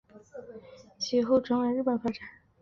其后转往日本发展。